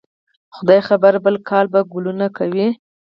خدای خبر؟ بل کال به ګلونه کوي